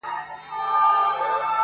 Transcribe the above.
o نو دا په ما باندي چا كوډي كړي.